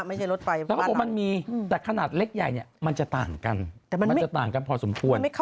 มันไม่เข้ามาใกล้คนเหรอ